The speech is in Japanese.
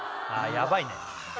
やばいね